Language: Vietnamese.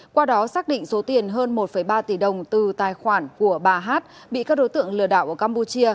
qua đó xác định số tiền hơn một ba tỷ đồng từ tài khoản của bà hát bị các đối tượng lừa đảo ở campuchia